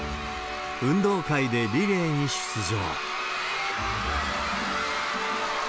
運動会でリレーに出場。